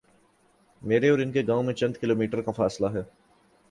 میرے اور ان کے گاؤں میں چند کلو میٹرکا فاصلہ ہے۔